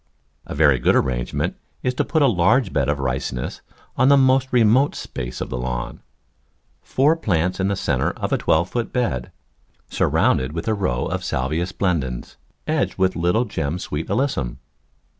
A very good arrangement is to put a large bed of Ricinus on the most remote space of the lawn — four plants in the centre of a twelve foot bed — surrounded with a row of Salvia splendens edged with Little Gem Sweet Alyssum.